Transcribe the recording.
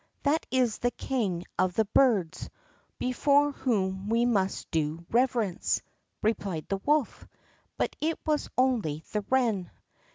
"That is the king of the birds, before whom we must do reverence," replied the wolf; but it was only the wren.